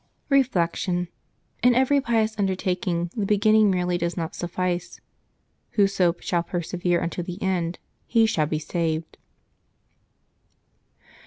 Reflection. — In every pious undertaking the beginning merely does not suffice. "Whoso shall persevere unto the end, he shall be saved.''